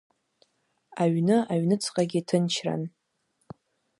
Аҩны аҩныҵҟагьы ҭынчран.